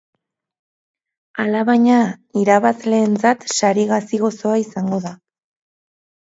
Alabaina, irabazleentzat sari gazi-gozoa izango da.